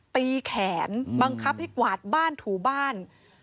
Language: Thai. ตีแขนบังคับให้กวาดบ้านถูบ้าน